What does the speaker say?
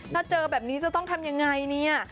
ถ้าเจอแบบนี้จะต้องทำยังไงเนี่ย